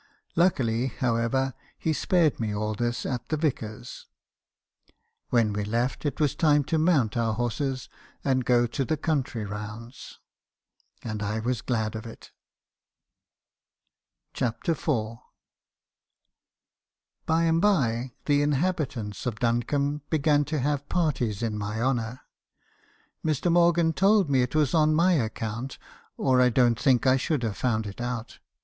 Luckily, however, he spared me all this at the vicar's. When we left, it was time to mount our horses and go the country rounds, and I was glad of it." « CHAPTER IY. "By and by the inhabitants of Duncombe began to have parties in my honour. Mr. Morgan told me it was on my ac count, or I don't think I should have found it out.